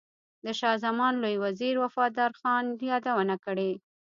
د شاه زمان لوی وزیر وفادار خان یادونه کړې.